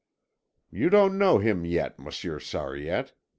You don't know him yet, Monsieur Sariette.